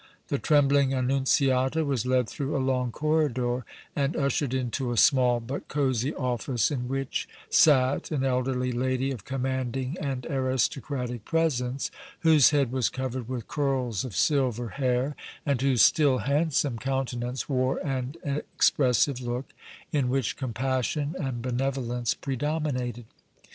The trembling Annunziata was led through a long corridor and ushered into a small, but cosy office in which sat an elderly lady of commanding and aristocratic presence, whose head was covered with curls of silver hair, and whose still handsome countenance wore an expressive look in which compassion and benevolence predominated.